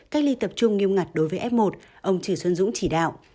cách ly tập trung nghiêm ngặt đối với f một ông trừ xuân dũng chỉ đạo